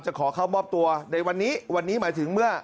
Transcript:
ขอเข้ามอบตัวในวันนี้วันนี้หมายถึงเมื่อ